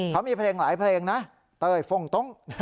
เขามีเพลงหลายเพลงนะเต้ยฟงตรง